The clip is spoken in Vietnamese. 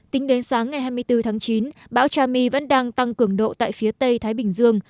tính đến sáng ngày hai mươi bốn tháng chín bão chami vẫn đang tăng cường độ tại phía tây thái bình dương